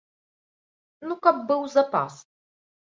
Ну, каб быў запас.